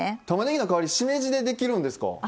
たまねぎの代わりしめじでできるんですか？